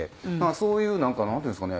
そういうなんかなんていうんですかね。